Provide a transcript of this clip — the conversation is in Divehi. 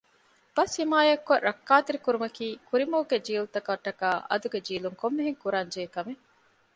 ބަސް ޙިމާޔަތްކޮށް ރައްކައުތެރިކުރުމަކީ ކުރިމަގުގެ ޖީލުތަކަށް ޓަކައި އަދުގެ ޖީލުން ކޮންމެހެން ކުރާން ޖެހޭ ކަމެއް